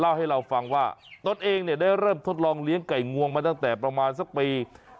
ให้เราฟังว่าตนเองเนี่ยได้เริ่มทดลองเลี้ยงไก่งวงมาตั้งแต่ประมาณสักปี